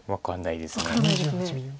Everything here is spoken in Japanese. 分かんないです。